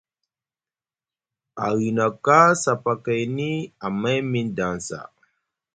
Ahinaka sapakayni amay miŋ daŋ saa.